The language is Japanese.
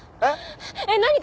えっ！？